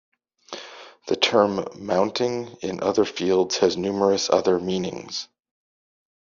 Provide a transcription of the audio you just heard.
The term mounting in other fields has numerous other meanings.